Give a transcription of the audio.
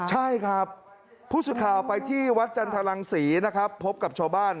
ใช่ครับผู้สื่อข่าวไปที่วัดจันทรังศรีนะครับพบกับชาวบ้าน